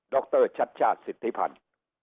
รชัดชาติสิทธิพันธ์